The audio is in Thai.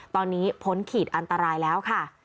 ตอนนี้พ้นขีดอันตรายแล้วค่ะ